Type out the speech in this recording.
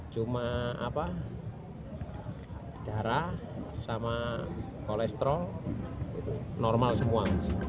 cuma darah sama kolesterol normal semua